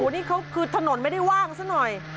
นี่เขาคือถนนไม่ได้ว่างซะหน่อย